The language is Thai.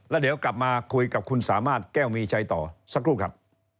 แล้วเดี๋ยวกลับมาคุยกับคุณสามารถแก้วมีชัยต่อสักครู่ครับ